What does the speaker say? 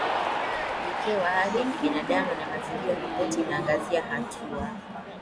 Pekee wa Haki za Kibinadamu na Mazingira Ripoti inaangazia hatua